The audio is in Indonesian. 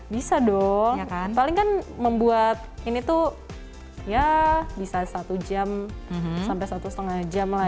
bisa dong paling kan membuat ini tuh ya bisa satu jam sampai satu setengah jam lah